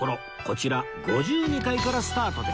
こちら５２階からスタートです